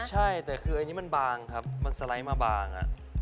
ใช่แต่คืออันนี้มันบางครับมันสไลด์มาบาง